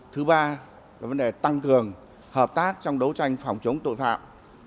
thứ ba là vấn đề tăng cường hợp tác trong đấu tranh phòng chống tội phạm